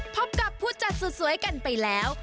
พบกับผู้จัดสุดสวยกันไปแล้ว